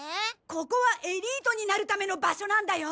ここはエリートになるための場所なんだよ！